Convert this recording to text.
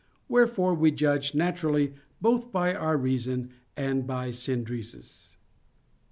Wherefore we judge naturally both by our reason and by "synderesis."